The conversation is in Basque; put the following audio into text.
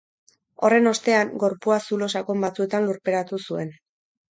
Horren ostean, gorpua zulo sakon batzuetan lurperatu zuen.